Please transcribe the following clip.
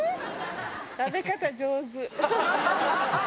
食べ方上手。